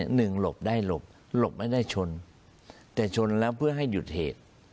หลบได้หลบหลบไม่ได้ชนแต่ชนแล้วเพื่อให้หยุดเหตุ